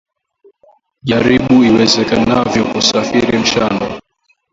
Jaribu iwezekanavyo kusafiri mchana.